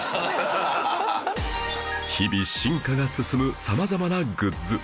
日々進化が進む様々なグッズ